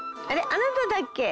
あなただっけ？